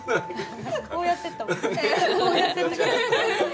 こうやってったもんね。